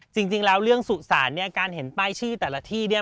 จริงแล้วเรื่องสุสานเนี่ยการเห็นป้ายชื่อแต่ละที่เนี่ย